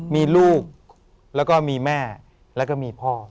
มีลูกแล้วก็มีแม่แล้วก็มีพ่อ